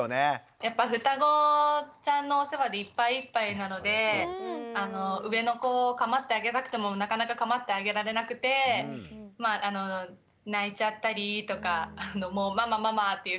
やっぱ双子ちゃんのお世話でいっぱいいっぱいなので上の子をかまってあげたくてもなかなかかまってあげられなくて泣いちゃったりとかもうママママ！っていう感じで。